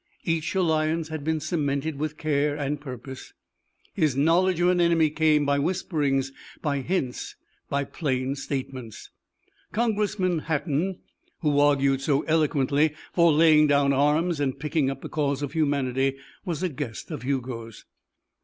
Each alliance had been cemented with care and purpose. His knowledge of an enemy came by whisperings, by hints, by plain statements. Congressman Hatten, who argued so eloquently for laying down arms and picking up the cause of humanity, was a guest of Hugo's.